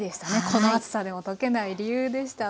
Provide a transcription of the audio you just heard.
この暑さでも溶けない理由でした。